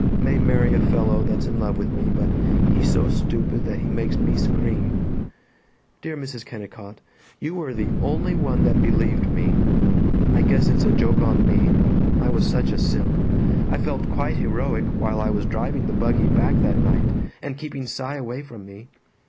May marry a fellow that's in love with me but he's so stupid that he makes me SCREAM. Dear Mrs. Kennicott you were the only one that believed me. I guess it's a joke on me, I was such a simp, I felt quite heroic while I was driving the buggy back that night & keeping Cy away from me.